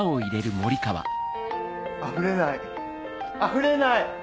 あふれないあふれない！